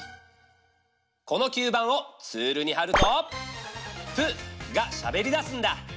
この吸盤をツールにはると「プ」がしゃべりだすんだ！